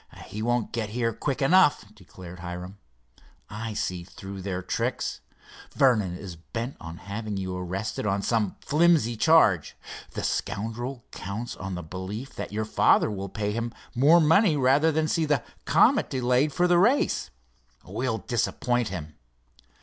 "He won't get here quick enough," declared Hiram. "I see through their tricks—Vernon is bent on having you arrested on some flimsy charge. The scoundrel counts on the belief that your father will pay him more money rather than see the Comet delayed for the race. We'll disappoint him."